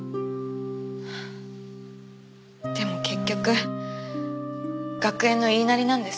でも結局学園の言いなりなんです。